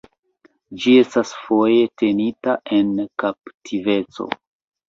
Ĝi estas foje tenita en kaptiveco.